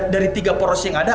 dari tiga poros yang ada